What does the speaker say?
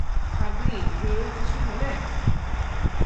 পাগলি, জরুরি কিছু হলে?